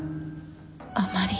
あまり。